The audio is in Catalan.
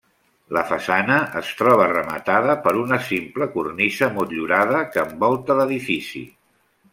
La façana es troba rematada per una simple cornisa motllurada, que envolta l'edifici.